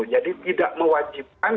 jadi tidak mewajibkan